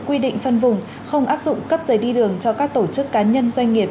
quy định phân vùng không áp dụng cấp giấy đi đường cho các tổ chức cá nhân doanh nghiệp